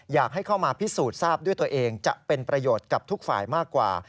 อยากให้เข้ามาพิสูจน์ทราบด้วยตัวเองจะเป็นประโยชน์กับทุกฝ่ายมากกว่า